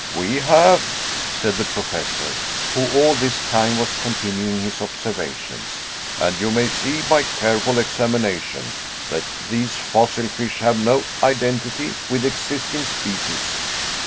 "We have," said the Professor, who all this time was continuing his observations, "and you may see by careful examination that these fossil fish have no identity with existing species.